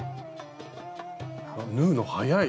縫うの早い！